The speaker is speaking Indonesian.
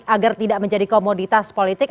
agar tidak menjadi komoditas politik